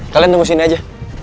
kalian tunggu sini aja